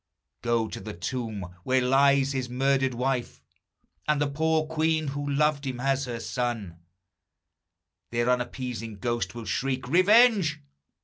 Go to the tomb where lies his murdered wife, And the poor queen, who loved him as her son, Their unappeased ghosts will shriek, Revenge!